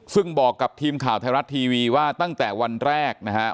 ซึ่งบอกกับทีมข่าวไทยรัฐทีวีว่าตั้งแต่วันแรกนะครับ